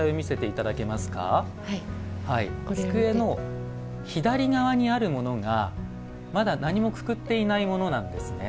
机の左側にあるものが何もくくっていないものなんです。